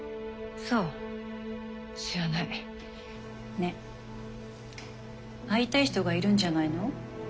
ね会いたい人がいるんじゃないの？